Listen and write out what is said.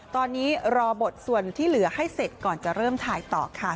ตอนนี้รอบทส่วนที่เหลือให้เสร็จก่อนจะเริ่มถ่ายต่อค่ะ